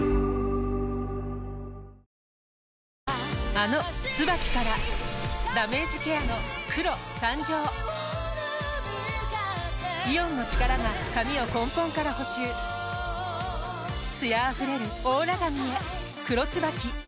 あの「ＴＳＵＢＡＫＩ」からダメージケアの黒誕生イオンの力が髪を根本から補修艶あふれるオーラ髪へ「黒ＴＳＵＢＡＫＩ」